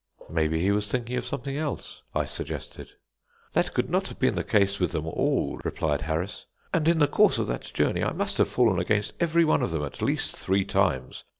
"Maybe, he was thinking of something else," I suggested. "That could not have been the case with them all," replied Harris, "and in the course of that journey, I must have fallen against every one of them at least three times.